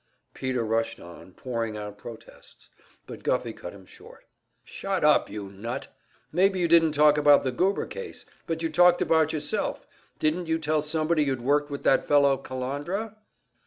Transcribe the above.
Peter rushed on, pouring out protests. But Guffey cut him short. "Shut up, you nut! Maybe you didn't talk about the Goober case, but you talked about yourself. Didn't you tell somebody you'd worked with that fellow Kalandra?"